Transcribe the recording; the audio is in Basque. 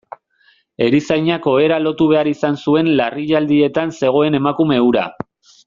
Erizainak ohera lotu behar izan zuen larrialdietan zegoen emakume hura.